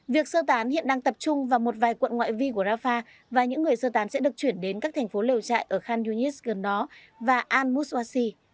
việc sơ tán hiện đang tập trung vào một vài quận ngoại vi của rafah và những người sơ tán sẽ được chuyển đến các thành phố lều trại ở khan yunis gần đó và al muswasi